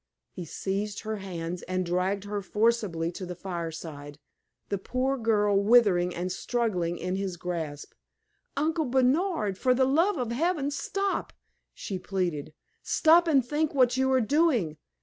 He seized her hands and dragged her forcibly to the fireside, the poor girl writhing and struggling in his grasp. "Uncle Bernard for the love of Heaven, stop!" she pleaded; "stop and think what you are doing!